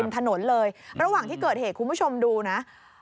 ที่เกิดเหตุคุณผู้ชมดูนะ